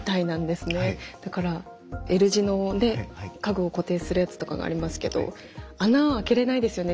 だからＬ字ので家具を固定するやつとかがありますけど穴を開けれないですよね